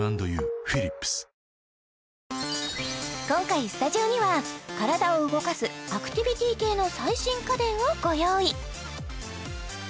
今回スタジオには体を動かすアクティビティ系の最新家電をご用意